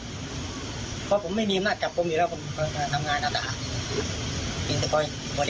เพราะผมไม่มีอำนาจกลับกลมอยู่แล้วผมอ่าทำงานหน้าทหารมีแต่